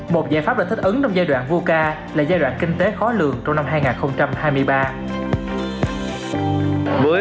một giải pháp đã thích ứng trong giai đoạn vuca